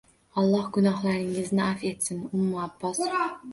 Olloh gunohlaringizni afv etsin, Ummu Abbos